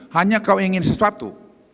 hanya kau ingin sesuatu